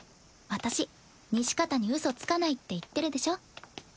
私西片にうそつかないって言ってるでしょ。